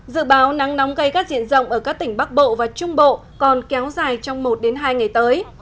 dự báo nắng nóng gây gắt diện rộng ở các tỉnh bắc bộ và trung bộ còn kéo dài trong một hai ngày tới